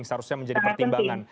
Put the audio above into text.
seharusnya menjadi pertimbangan